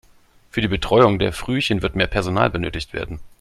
Für die Betreuung der Frühchen wird mehr Personal benötigt werden.